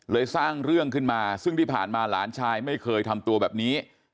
สร้างเรื่องขึ้นมาซึ่งที่ผ่านมาหลานชายไม่เคยทำตัวแบบนี้